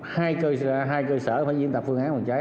hai cơ sở phải diễn tập phương án phòng cháy